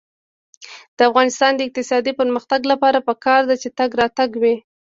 د افغانستان د اقتصادي پرمختګ لپاره پکار ده چې تګ راتګ وي.